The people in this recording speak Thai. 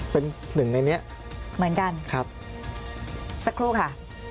เป็น๑ในนี้เหมือนกันสักครู่ค่ะ